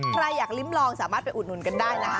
ใครอยากลิ้มลองสามารถไปอุดหนุนกันได้นะคะ